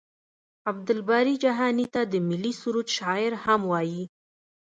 عبدالباري جهاني ته د ملي سرود شاعر هم وايي.